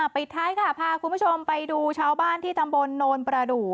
ปิดท้ายค่ะพาคุณผู้ชมไปดูชาวบ้านที่ตำบลโนนประดูก